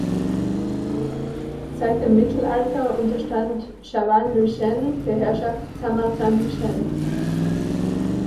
Seit dem Mittelalter unterstand Chavannes-le-Chêne der Herrschaft Saint-Martin-du-Chêne.